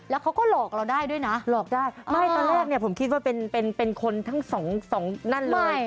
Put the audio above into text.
แล้วเขาก็หลอกเราได้ด้วยนะหลอกได้ไม่ตอนแรกเนี่ยผมคิดว่าเป็นเป็นคนทั้งสองสองนั่นเลย